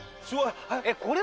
これ。